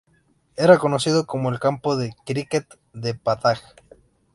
Era conocido como el campo de críquet de Padang.